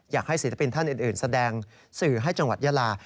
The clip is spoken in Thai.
ศิลปินท่านอื่นแสดงสื่อให้จังหวัดยาลา